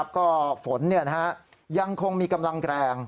ก็ฝนยังคงมีกำลังแรง